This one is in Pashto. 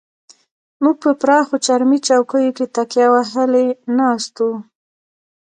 موږ په پراخو چرمي چوکیو کې تکیه وهلې ناست وو.